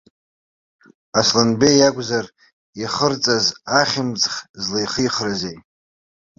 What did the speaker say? Асланбеи иакәзар ихырҵаз ахьмыӡӷ злаихихрызеи?